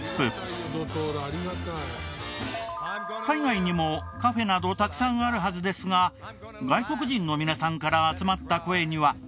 海外にもカフェなどたくさんあるはずですが外国人の皆さんから集まった声には。